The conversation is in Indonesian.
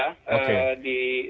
itu catatan yang lumayan buruk ya